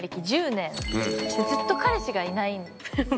ずっと彼氏がいないんですよ。